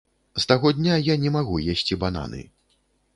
З таго дня я не магу есці бананы.